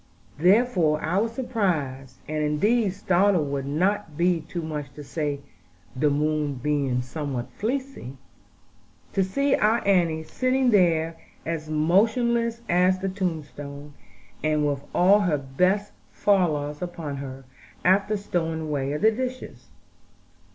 Therefore I was surprised (and indeed, startled would not be too much to say, the moon being somewhat fleecy), to see our Annie sitting there as motionless as the tombstone, and with all her best fallals upon her, after stowing away the dishes.